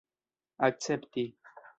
akcepti